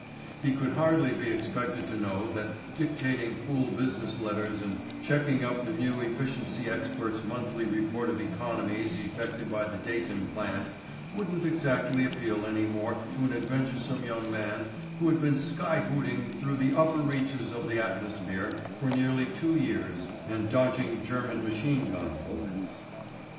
He could hardly be expected to know that dictating fool business letters and checking up the new efficiency expert's monthly report of economies effected at the Dayton plant wouldn't exactly appeal any more to an adventuresome young man who had been skyhooting through the upper reaches of the atmosphere for nearly two years and dodging German machine gun bullets.